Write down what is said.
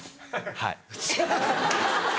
はい。